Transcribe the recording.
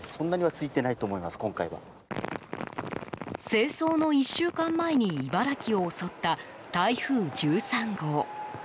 清掃の１週間前に茨城を襲った台風１３号。